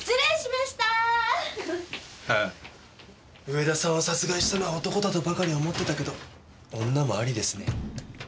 上田さんを殺害したのは男だとばかり思ってたけど女もありですね。